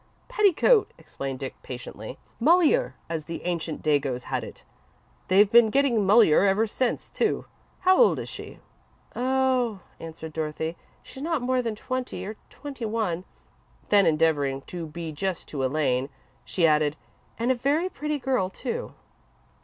"Petticoat," explained Dick, patiently; "mulier, as the ancient dagoes had it. They've been getting mulier ever since, too. How old is she?" "Oh," answered Dorothy. "She's not more than twenty or twenty one." Then, endeavouring to be just to Elaine, she added: "And a very pretty girl, too."